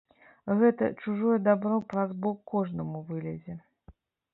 Гэта чужое дабро праз бок кожнаму вылезе.